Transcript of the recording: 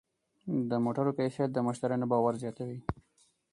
د موټرو کیفیت د مشتریانو باور زیاتوي.